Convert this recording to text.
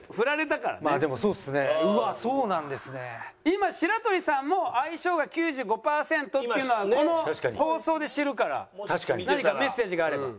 今白鳥さんも相性が９５パーセントっていうのはこの放送で知るから何かメッセージがあれば。